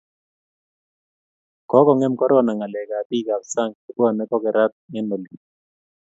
kokongem corona ngalek ab bik ab sang chebwane kokerat eng oli